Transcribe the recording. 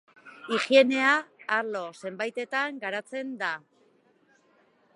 Higienea arlo zenbaitetan garatzen da.